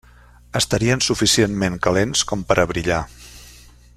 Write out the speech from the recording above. Estarien suficientment calents com per a brillar.